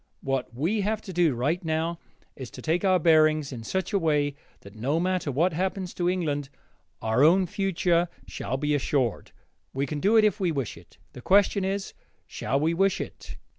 What we have to do, right now, is to take our bearings in such a way that, no matter what happens to England, our own future shall be assured. We can do it if we wish it: the question is, shall we wish it?